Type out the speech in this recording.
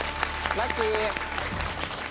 ラッキー！